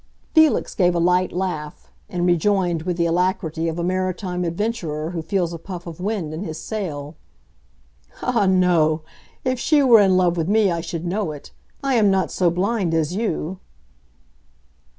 Felix gave a light laugh, and rejoined with the alacrity of a maritime adventurer who feels a puff of wind in his sail. "Ah, no; if she were in love with me I should know it! I am not so blind as you."